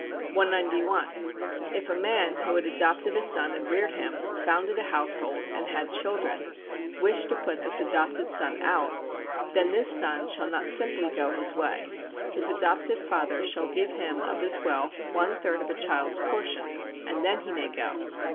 191. If a man, who had adopted a son and reared him, founded a household, and had children, wish to put this adopted son out, then this son shall not simply go his way. His adoptive father shall give him of his wealth one third of a child's portion, and then he may go.